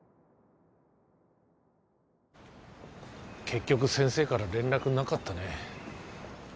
結局先生から連絡なかったね。